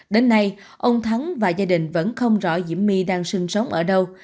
đến nay ông thắng và gia đình vẫn không rõ diễm my đang sinh sống ở đâu